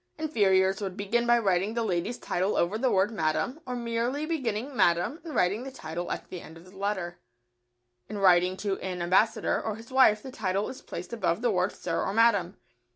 Inferiors would begin by writing the lady's title over the word "Madam," or merely beginning "Madam" and writing the title at the end of the letter. [Sidenote: To an ambassador with conclusion.] In writing to an ambassador or his wife the title is placed above the word "Sir" or "Madam."